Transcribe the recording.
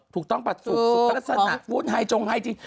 ถูกต้องปะสุขธรรมฟูนไฮจงไฮดีน